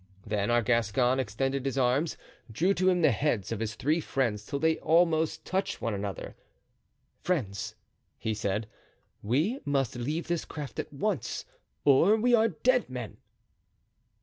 Then our Gascon, extending his arms, drew to him the heads of his three friends till they almost touched one another. "Friends," he said, "we must leave this craft at once or we are dead men."